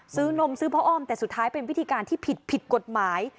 นมซื้อพ่ออ้อมแต่สุดท้ายเป็นวิธีการที่ผิดกฎหมาย